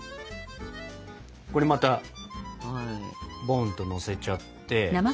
これまたボンとのせちゃって。